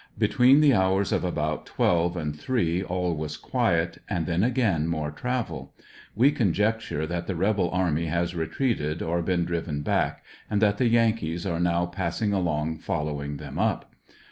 Between the hours of about twelve and three all was quiet, and then again more travel. We conjecture that the rebel army has retreated or been driven back, and that the Yankees are now passing along following them up.